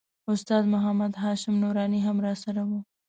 استاد محمد هاشم نوراني هم راسره و.